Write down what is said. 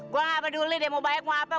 gue gak peduli deh mau baik mau apa